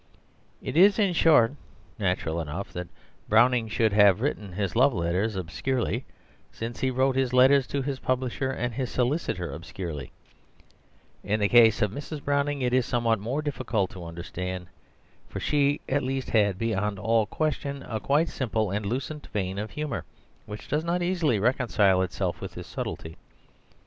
It is, in short, natural enough that Browning should have written his love letters obscurely, since he wrote his letters to his publisher and his solicitor obscurely. In the case of Mrs. Browning it is somewhat more difficult to understand. For she at least had, beyond all question, a quite simple and lucent vein of humour, which does not easily reconcile itself with this subtlety.